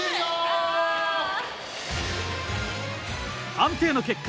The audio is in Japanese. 判定の結果